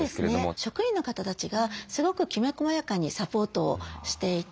職員の方たちがすごくきめこまやかにサポートをしていて。